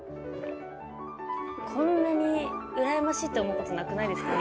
こんなにうらやましいって思う事なくないですか？